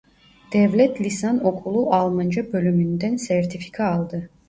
Devlet Lisan Okulu Almanca Bölümü'nden sertifika aldı.